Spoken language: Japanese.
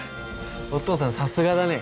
お父さんさすがだね。